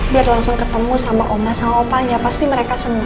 biar langsung ketemu sama oma sama opanya pasti mereka semua